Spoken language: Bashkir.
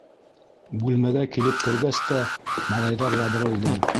Бүлмәгә килеп кергәс тә, малайҙар ябырылды.